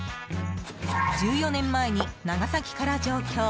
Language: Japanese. １４年前に長崎から上京。